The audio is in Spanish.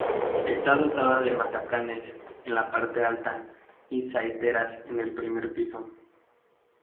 Está dotada de matacanes en la parte alta y saeteras en el primer piso.